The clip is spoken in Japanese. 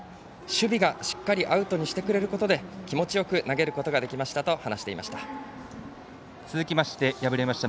守備が、しっかりアウトにしてくれることで気持ちよく投げることができましたと話していました。